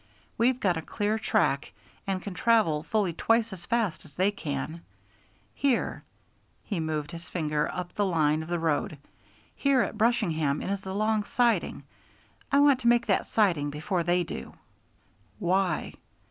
We've got a clear track and can travel fully twice as fast as they can. Here" he moved his finger up the line of the road "here at Brushingham is a long siding. I want to make that siding before they do." "Why?"